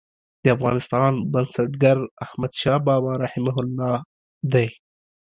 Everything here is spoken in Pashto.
د افغانستان بنسټګر احمدشاه بابا رحمة الله علیه دی.